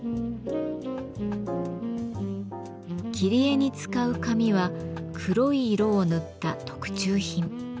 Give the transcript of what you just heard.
切り絵に使う紙は黒い色を塗った特注品。